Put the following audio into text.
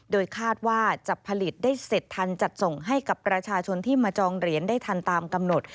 โดยคาดว่าจะผลิตได้เสร็จทันจัดส่งให้กับประชาชนที่มาจองเหรียญได้ทันตามกำหนด